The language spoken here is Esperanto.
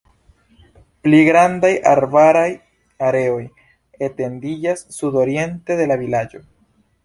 Pli grandaj arbaraj areoj etendiĝas sudoriente de la vilaĝo.